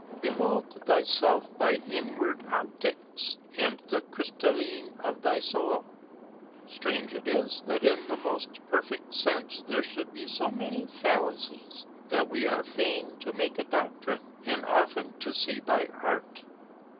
Behold thyself by inward opticks and the crystalline of thy soul. Strange it is that in the most perfect sense there should be so many fallacies, that we are fain to make a doctrine, and often to see by art.